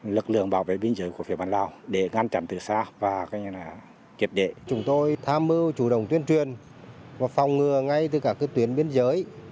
lực lượng chức năng đã phát hiện và bắt giữ hơn một một trăm linh vụ hơn một bốn trăm linh đối tượng và hơn tám tần pháo các loại